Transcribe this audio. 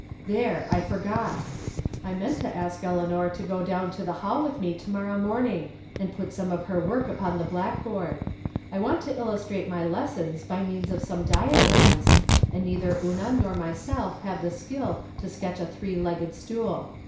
There, I forgot. I meant to ask Eleanor to go down to the hall with me to morrow morning, and put some of her work upon the blackboard. I want to illustrate my lessons by means of some diagrams, and neither Una nor myself have the skill to sketch a three legged stool.